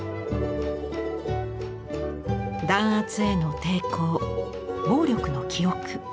弾圧への抵抗暴力の記憶。